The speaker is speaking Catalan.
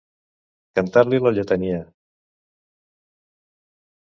Cantar-li la lletania.